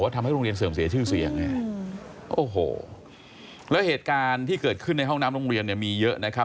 ทำให้โรงเรียนเสื่อมเสียชื่อเสียงโอ้โหแล้วเหตุการณ์ที่เกิดขึ้นในห้องน้ำโรงเรียนเนี่ยมีเยอะนะครับ